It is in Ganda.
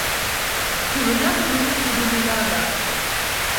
Ku lunaku luli tulimulaba.